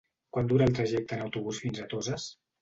Quant dura el trajecte en autobús fins a Toses?